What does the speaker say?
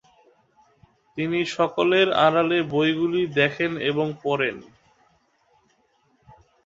তিনি সকলের আড়ালে বইগুলি দেখেন এবং পড়েন।